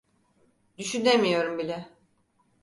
Düşünemiyorum bile.